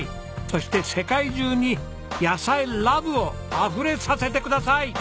そして世界中に野菜ＬＯＶＥをあふれさせてください。